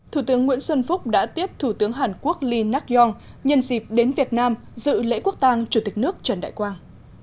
thủ tướng nguyễn xuân phúc đã tiếp thủ tướng hàn quốc lee nak yong nhân dịp đến việt nam dự lễ quốc tàng chủ tịch nước trần đại quang